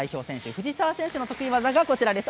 藤澤選手の得意技がこちらです。